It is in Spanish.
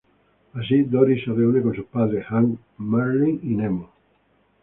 Así, Dory se reúne con sus padres, Hank, Marlin y Nemo.